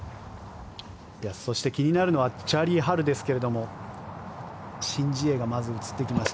そして気になるのはチャーリー・ハルですがシン・ジエがまず映ってきました。